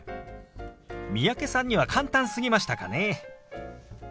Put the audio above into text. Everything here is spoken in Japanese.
三宅さんには簡単すぎましたかね。